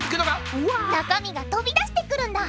中身が飛び出してくるんだ！